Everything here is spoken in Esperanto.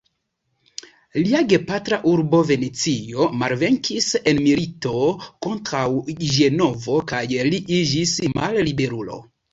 Lia gepatra urbo Venecio malvenkis en milito kontraŭ Ĝenovo kaj li iĝis malliberulo.